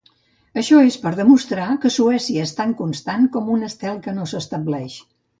Això és per demostrar que Suècia és tan constant com un estel que no s'estableix.